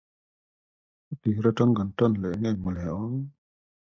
Cassidy Kicking Deer is Ukiah's distant cousin and the owner of a hardware store.